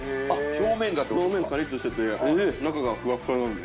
表面カリッとしてて中がふわふわなんで。